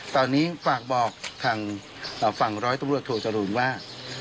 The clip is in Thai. ตอนนี้ฝากบอกทางฝั่งร้อยตำรวจโทจรูนว่า